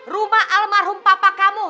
rumah almarhum papa kamu